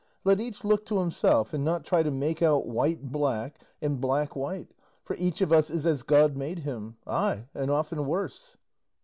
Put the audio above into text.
Let each look to himself and not try to make out white black, and black white; for each of us is as God made him, aye, and often worse."